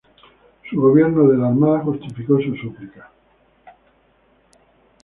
Su gobierno de la Armada justificó su súplica.